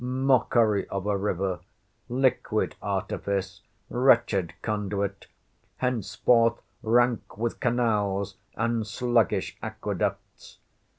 Mockery of a river—liquid artifice—wretched conduit! henceforth rank with canals, and sluggish aqueducts.